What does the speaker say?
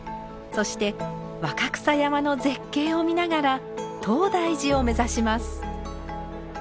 そして若草山の絶景を見ながら東大寺を目指します。